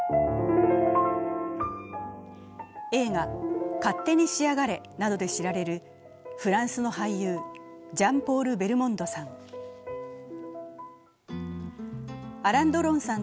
映画「勝手にしやがれ」などで知られるフランスの俳優ジャン＝ポール・ベルモンドさん。